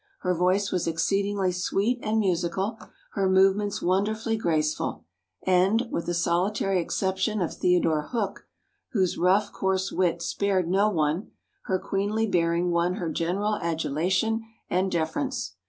Her voice was exceedingly sweet and musical, her movements wonderfully graceful, and, with the solitary exception of Theodore Hook, whose rough, coarse wit spared no one, her queenly bearing won her general adulation and deference.